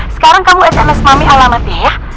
sekarang kamu sms mami ala matinya